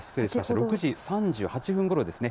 ６時３８分ごろですね。